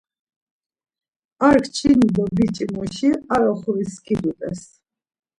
Ar kçini do biç̌i muşi ar oxoris skidut̆es.